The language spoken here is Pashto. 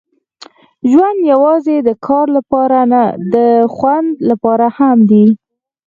ژوند یوازې د کار لپاره نه، د خوند لپاره هم دی.